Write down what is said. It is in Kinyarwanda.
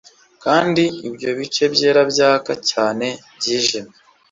Kandi ibyo bice byera byaka cyane byijimye